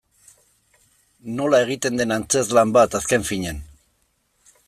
Nola egiten den antzezlan bat, azken finean.